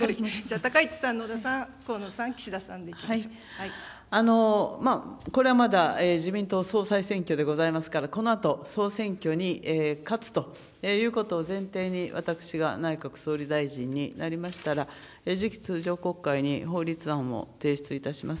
高市さん、野田さん、河野さん、これはまだ、自民党総裁選挙でございますから、このあと総選挙に勝つということを前提に、私が内閣総理大臣になりましたら、次期通常国会に法律案を提出いたします。